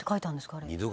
あれ」